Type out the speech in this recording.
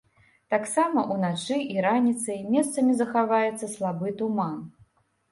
Таксама ўначы і раніцай месцамі захаваецца слабы туман.